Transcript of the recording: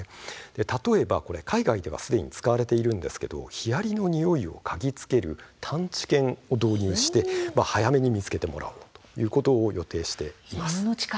例えば、海外ではすでに使われていますがヒアリのにおいをかぎつける探知犬を導入して早めに見つけてもらおうという予定があります。